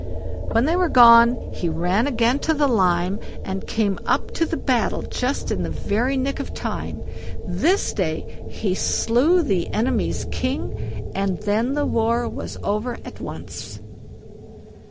When they were gone, he ran again to the lime, and came up to the battle just in the very nick of time. This day he slew the enemy's king, and then the war was over at once.